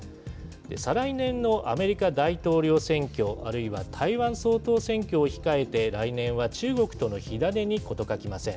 再来年のアメリカ大統領選挙、あるいは台湾総統選挙を控えて、来年は中国との火種に事欠きません。